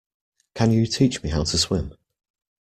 Can you teach me how to swim?